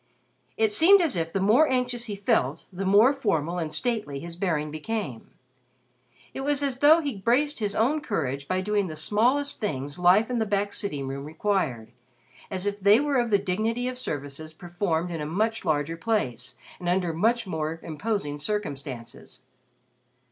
It seemed as if the more anxious he felt the more formal and stately his bearing became. It was as though he braced his own courage by doing the smallest things life in the back sitting room required as if they were of the dignity of services performed in a much larger place and under much more imposing circumstances.